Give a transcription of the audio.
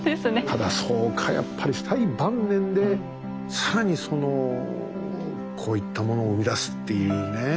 ただそうかやっぱり最晩年で更にこういったものを生み出すっていうね。